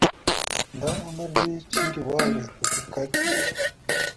دا امر دې چېرې واورېد؟ په فرقه کې.